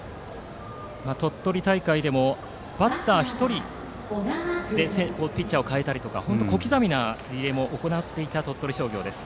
鳥取大会でもバッター１人でピッチャーを代えたりとか小刻みなリレーを行っていた鳥取商業です。